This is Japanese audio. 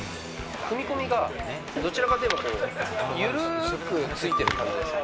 踏み込みが、どちらかといえば、緩くついてる感じですよね。